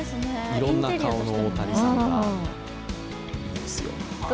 いろんな顔の大谷さんがいますよ。